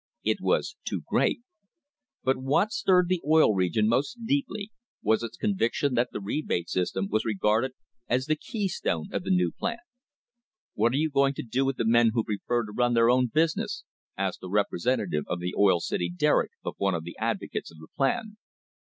It was too great. But what stirred the Oil Region most deeply was its conviction that the rebate system was regarded as the keystone of the new plan. "What are you going to do with the men who prefer to run their own business?" asked a repre sentative of the Oil City Derrick of one of the advocates of the plan.